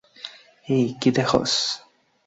এই কি দেখোছ?